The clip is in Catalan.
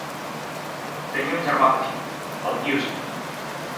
Tenia un germà petit, el Giusi.